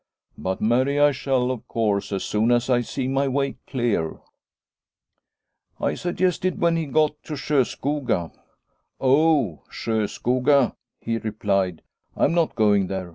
But marry I shall, of course, as soon as I see my way clear. ' I suggested when he got to S j oskoga. ...' Oh, Sj oskoga,' he replied, ' I am not going there.